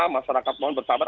masyarakat mohon bersabar